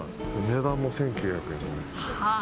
値段も１９００円。